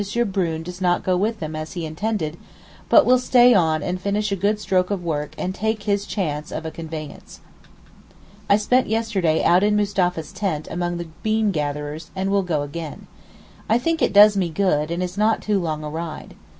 Brune does not go with them as he intended, but will stay on and finish a good stroke of work and take his chance of a conveyance. I spent yesterday out in Mustapha's tent among the bean gatherers, and will go again. I think it does me good and is not too long a ride.